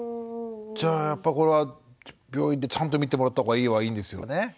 じゃあやっぱりこれは病院でちゃんと診てもらった方がいいはいいんですよね。